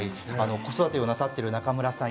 子育てをしている中村さん